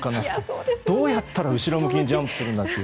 どうやったら後ろ向きにジャンプするんだという。